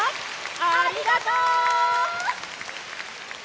ありがとう！